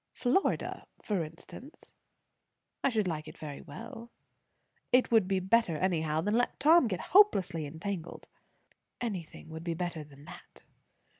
"Florida, for instance?" "I should like it very well." "It would be better anyhow than to let Tom get hopelessly entangled." "Anything would be better than that."